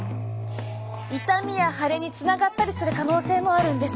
痛みや腫れにつながったりする可能性もあるんです。